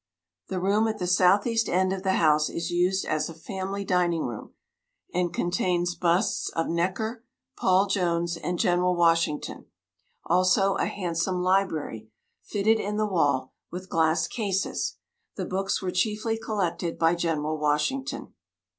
The room at the south east end of the house is used as a family dining room, and contains busts of Necker, Paul Jones, and General Washington; also a handsome library, fitted in the wall, with glass cases. The books were chiefly collected by General Washington.